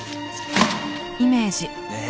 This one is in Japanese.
ねえ！